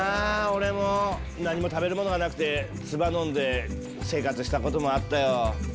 オレも何も食べるものがなくて唾飲んで生活したこともあったよ。